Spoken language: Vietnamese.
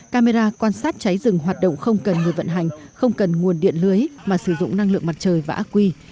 camera quan sát cháy rừng hoạt động không cần người vận hành không cần nguồn điện lưới mà sử dụng năng lượng mặt trời và ác quy